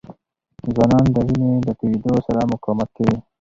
ځوانان د وینې د تویېدو سره مقاومت کوي.